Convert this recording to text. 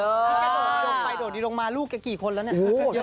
โดดีโดงไปโดดีโดงมาลูกไงกี่คนละเนี่ย